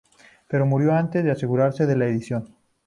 Pero murió antes de asegurarse de la edición.